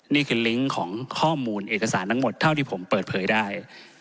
ลิงก์ของข้อมูลเอกสารทั้งหมดเท่าที่ผมเปิดเผยได้